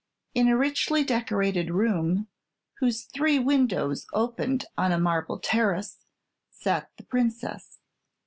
In a richly decorated room, whose three windows opened on a marble terrace, sat the Princess.